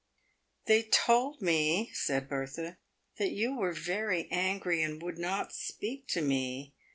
" They told me," said Bertha, " that you were very angry, and would not speak to me.